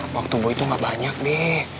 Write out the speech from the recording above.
waktu boy tuh gak banyak be